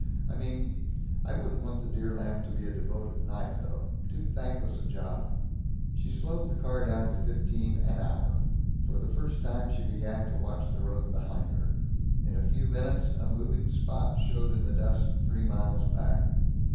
I mean I wouldn't want the dear lamb to be a devoted knight, though. Too thankless a job." She slowed the car down to fifteen an hour. For the first time she began to watch the road behind her. In a few minutes a moving spot showed in the dust three miles back.